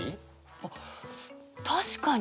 あっ確かに。